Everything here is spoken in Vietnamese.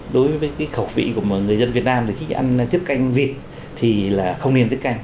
đối với cái khẩu vị của người dân việt nam thì khi ăn tiếp canh vịt thì là không nên tiết canh